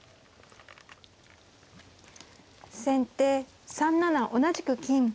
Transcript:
先手３七同じく金。